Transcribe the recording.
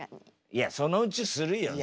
いやそのうちするよ。